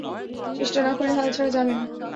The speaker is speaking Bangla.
চেষ্টা না করে, হাল ছাড়া যাবে না।